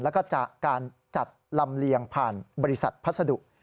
แล้วก็จากการจัดลำเลียงผ่านบริษัทพัสดุ